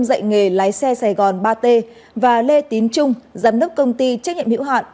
dạy nghề lái xe sài gòn ba t và lê tín trung giám đốc công ty trách nhiệm hữu hạn